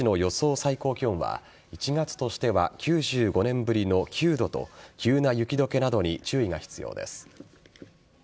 最高気温は１月としては９５年ぶりの９度と急な雪解けなどに注意が必要です。